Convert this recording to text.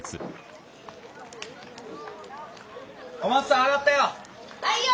お松さんあがったよ。